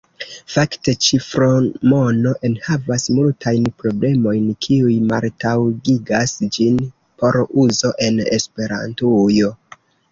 Fakte ĉifromono enhavas multajn problemojn, kiuj maltaŭgigas ĝin por uzo en Esperantujo.